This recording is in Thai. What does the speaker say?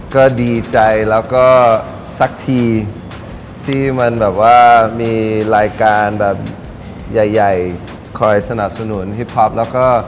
ก็ดีใจแล้วก็สักทีที่มันแบบว่ามีรายการแบบใหญ่คอยสนับสนุนพี่พ๊อปแล้วก็